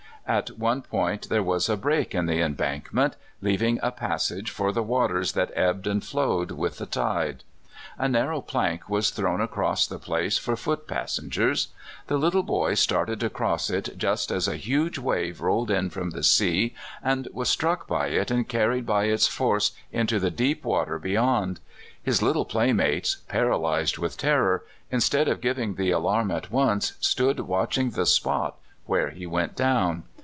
At one point there was a break in the embankment, leaving a passage lor the waters that ebbed and flowed with the tide. A narrow plank was thrown across the place for foot passengers. The little boy started to cross it just as a huge wave rolled in from the sea, and was struck by it and carried by its force into the deep water be yond. His little playmates, paralyzed with terror, instead of giving the alarm at once, stood watch ing the spot where he went down.